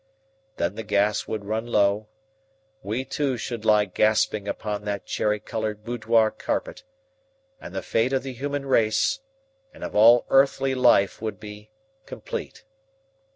Then the gas would run low, we too should lie gasping upon that cherry coloured boudoir carpet, and the fate of the human race and of all earthly life would be complete.